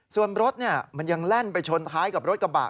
ส่วนรถมันยังแล่นไปชนท้ายกับรถกระบะ